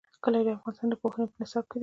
کلي د افغانستان د پوهنې په نصاب کې دي.